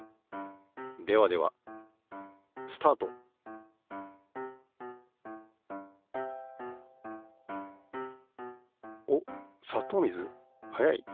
ではではスタートおっさとう水早い。